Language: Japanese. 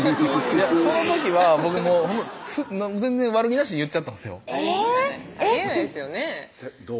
いやその時は僕全然悪気なしに言っちゃったんですよありえないですよねどう？